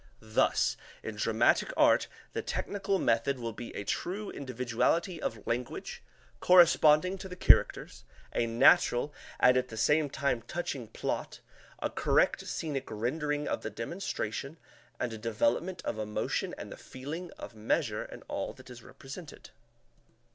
Thus, in dramatic art, the technical method will be a true individuality of language, corresponding to the characters, a natural, and at the same time touching plot, a correct scenic rendering of the demonstration and development of emotion, and the feeling of measure in all that is represented.